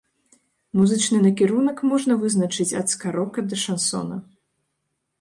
Музычны накірунак можна вызначыць ад ска-рока да шансона.